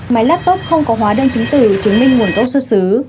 máy laptop không có hóa đơn chứng tử chứng minh nguồn gốc xuất xứ